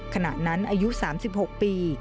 ขณะนั้นอายุ๓๖ปี